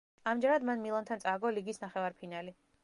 ამჯერად მან მილანთან წააგო ლიგის ნახევარფინალი.